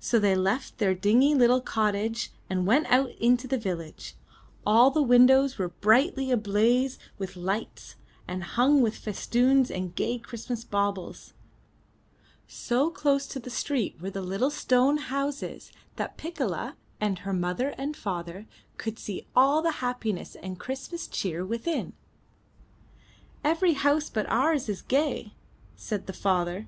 So they left their dingy little cottage and went out into the village. All the windows were brightly ablaze 305 M Y B O O K H O U S E with lights, and hung with festoons and gay Christmas baubles. So close to the street were the little stone houses, that Piccola and her mother and father could see all the happiness and Christmas cheer within. * 'Every house but ours is gay,*' said the father.